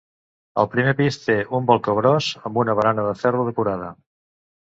El primer pis té un balcó gros amb una barana de ferro decorada.